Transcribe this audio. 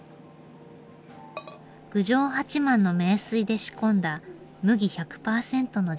郡上八幡の名水で仕込んだ麦１００％の地ビール。